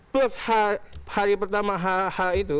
plus hari pertama hh itu